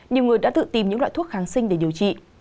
nhiều người đã tự tìm những loại thuốc kháng sinh để điều trị